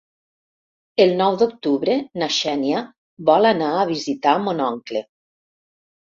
El nou d'octubre na Xènia vol anar a visitar mon oncle.